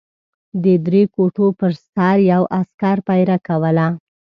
د درې کوټو پر سر یو عسکر پېره کوله.